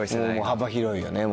幅広いよね。